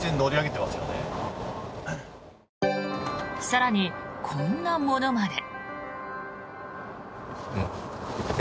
更に、こんなものまで。